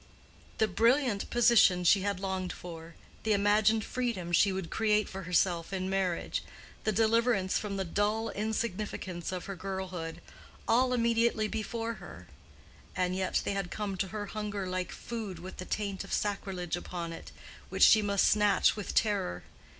The brilliant position she had longed for, the imagined freedom she would create for herself in marriage, the deliverance from the dull insignificance of her girlhood—all immediately before her; and yet they had come to her hunger like food with the taint of sacrilege upon it, which she must snatch with terror.